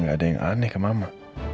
gak ada yang aneh ke mama